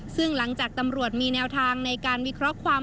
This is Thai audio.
ซึ่งหลังจากตำรวจมีแนวทางในการวิเคราะห์ความ